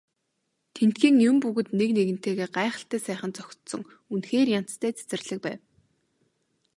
Тэндхийн юм бүгд нэг нэгэнтэйгээ гайхалтай сайхан зохицсон үнэхээр янзтай цэцэрлэг байв.